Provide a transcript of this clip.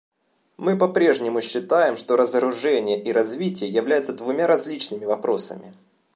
Мы по-прежнему считаем, что разоружение и развитие являются двумя различными вопросами.